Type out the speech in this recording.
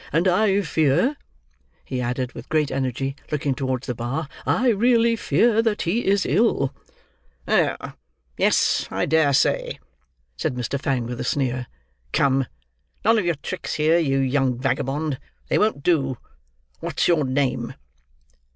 "And I fear," he added, with great energy, looking towards the bar, "I really fear that he is ill." "Oh! yes, I dare say!" said Mr. Fang, with a sneer. "Come, none of your tricks here, you young vagabond; they won't do. What's your name?"